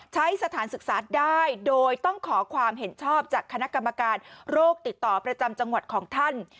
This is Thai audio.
สถานศึกษาได้โดยต้องขอความเห็นชอบจากคณะกรรมการโรคติดต่อประจำจังหวัดของท่าน